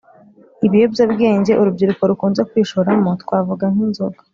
ibiyobyabwenge urubyiruko rukunze kwishoramo twavuga nk’inzoga,